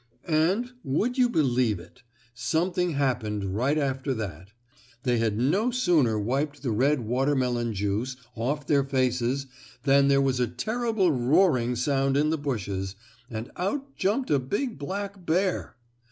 And, would you ever believe it? Something happened right after that. They had no sooner wiped the red watermelon juice off their faces than there was a terrible roaring sound in the bushes, and out jumped a big black bear.